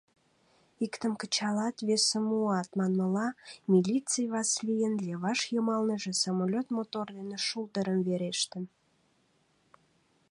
Иктым кычалат — весым муат, манмыла, милиций Васлийын леваш йымалныже самолёт мотор ден шулдырым верештын.